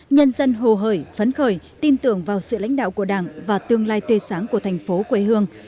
nhân dân hồ hời phấn khởi tin tưởng vào sự lãnh đạo của đảng và tương lai tươi sáng của thành phố quê hương